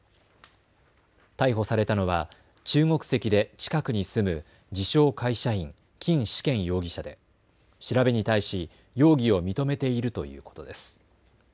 逮捕されたのは中国籍で近くに住む自称会社員、金始賢容疑者で調べに対し容疑を認めているということです。